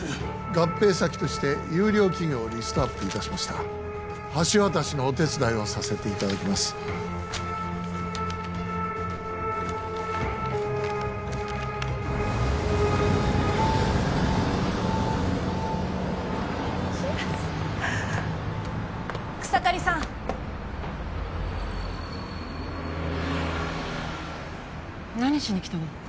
合併先として優良企業をリストアップいたしました橋渡しのお手伝いをさせていただきます草刈さん何しに来たの？